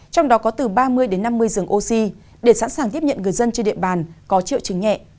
trong đó có từ ba mươi đến năm mươi giường oxy để sẵn sàng tiếp nhận người dân trên địa bàn có triệu chứng nhẹ